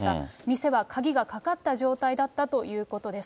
店は鍵がかかった状態だったということです。